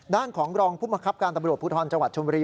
ด้านของรองผู้บังคับการตำรวจภูทรจังหวัดชมบุรี